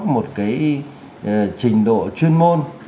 một cái trình độ chuyên môn